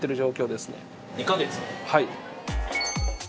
はい。